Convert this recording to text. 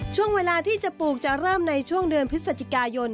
ช่วงเวลาที่จะปลูกจะเริ่มในช่วงเดือนพฤศจิกายน